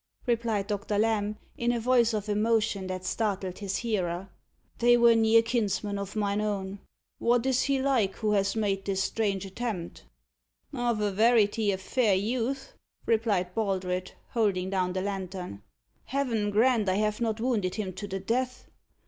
replied Doctor Lamb, in a voice of emotion that startled his hearer. "They were near kinsmen of mine own. What is he like who has made this strange attempt?" "Of a verity, a fair youth," replied Baldred, holding down the lantern. "Heaven grant I have not wounded him to the death!